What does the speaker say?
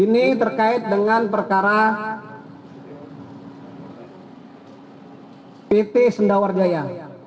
ini terkait dengan perkara pt sendawar jaya